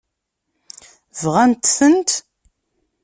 Bɣant-tent?